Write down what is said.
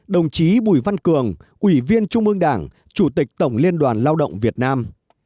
ba mươi hai đồng chí bùi văn cường ủy viên trung ương đảng chủ tịch tổng liên đoàn lao động việt nam